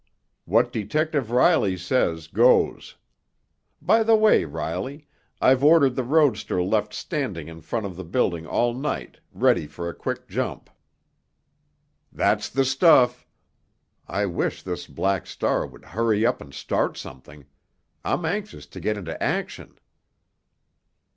"What Detective Riley says goes. By the way, Riley, I've ordered the roadster left standing in front of the building all night, ready for a quick jump." "That's the stuff! I wish this Black Star would hurry up and start something. I'm anxious to get into action."